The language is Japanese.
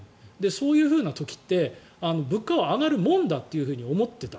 そういう時って物価は上がるものだと思っていた。